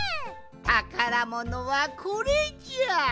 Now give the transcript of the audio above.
たからものはこれじゃ。